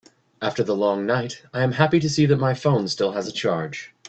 After the long night, I am happy to see that my phone still has a charge.